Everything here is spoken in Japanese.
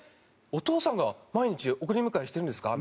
お父さんが毎日送り迎えしてるんですか？」